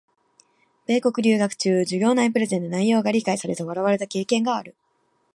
米国留学中、授業内プレゼンで内容が理解されず笑われた経験がある。